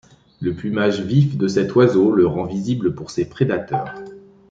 Le plumage vif de cet oiseau le rend visible pour ses prédateurs.